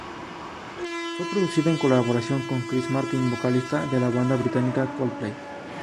Fue producida en colaboración con Chris Martin, vocalista de la banda británica Coldplay.